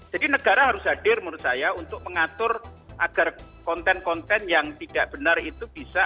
jadi negara harus hadir menurut saya untuk mengatur agar konten konten yang tidak benar itu bisa